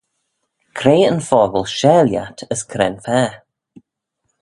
Cre yn fockle share lhiat as cre'n fa?